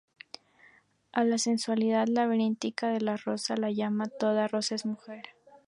A la sensualidad laberíntica de la rosa la llama "Toda rosa es mujer".